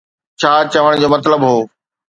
ڇا چوڻ جو مطلب هو.